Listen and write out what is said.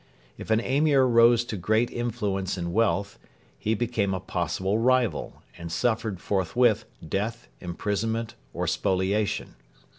If an Emir rose to great influence and wealth, he became a possible rival, and suffered forthwith death, imprisonment, or spoliation.